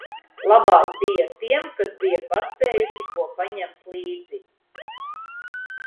Labāk bija tiem, kas bija paspējuši ko paņemt līdzi.